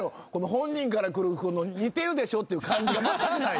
本人から来る「似てるでしょ」っていう感じがまったくない。